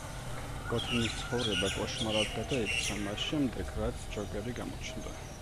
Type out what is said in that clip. გოთემის ცხოვრება კოშმარად გადაიქცა მას შემდეგ, რაც ჯოკერი გამოჩნდა.